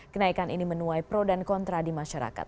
kenaikan ini menuai pro dan kontra di masyarakat